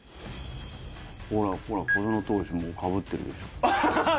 ほらほら、小園投手かぶってるでしょ。